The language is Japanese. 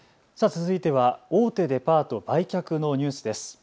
続いては大手デパート売却のニュースです。